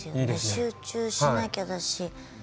集中しなきゃだし。